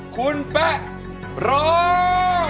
คุณแป๊ะร้อง